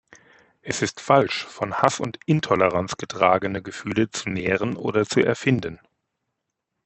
Es ist falsch, von Hass und Intoleranz getragene Gefühle zu nähren oder zu erfinden.